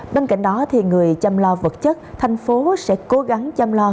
bên cạnh đó người chăm lo vật chất thành phố sẽ cố gắng chăm lo